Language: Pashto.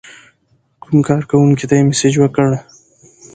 کوم کارکونکي ته یې مسیج وکړ.